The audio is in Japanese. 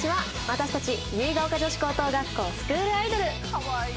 私たち結ヶ丘女子高等学校スクールアイドル。